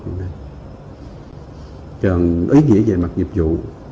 chẳng ý nghĩa về mặt dịch vụ